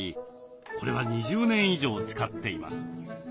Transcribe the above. これは２０年以上使っています。